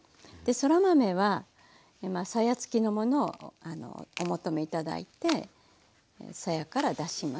そら豆はさや付きのものをお求め頂いてさやから出しますね。